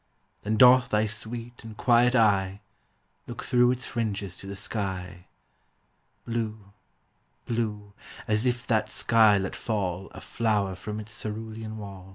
Then doth thy sweet and quiet eye Look through its fringes to the sky, Blue — blue — as if that sky let fall A flower from its cerulean wall.